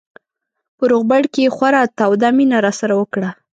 په روغبړ کې یې خورا توده مینه راسره وکړه.